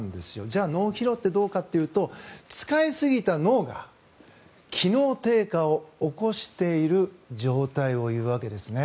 じゃあ、脳疲労ってどうかというと使いすぎた脳が機能低下を起こしている状態を言うわけですね。